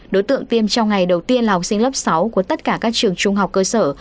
đối tượng tiêm trong ngày đầu tiên là học sinh lớp sáu của tất cả các trường trung học cơ sở